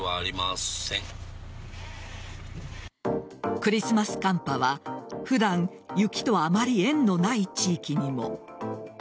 クリスマス寒波は普段雪とあまり縁のない地域にも。